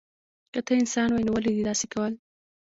که ته انسان وای نو ولی دی داسی کول